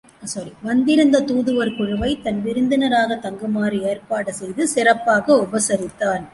வந்திருந்த தூதுவர் குழுவைத் தன் விருந்தினராகத் தங்குமாறு ஏற்பாடு செய்து சிறப்பாக உபசரித்தான்.